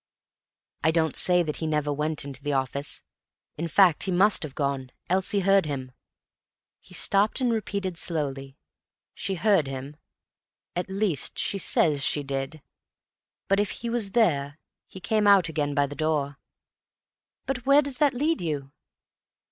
"I don't say that he never went into the office. In fact, he must have gone. Elsie heard him." He stopped and repeated slowly, "She heard him—at least she says she did. But if he was there, he came out again by the door." "Well, but where does that lead you?"